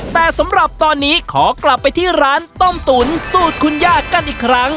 แต่สำหรับตอนนี้ขอกลับไปที่ร้านต้มตุ๋นสูตรคุณย่ากันอีกครั้ง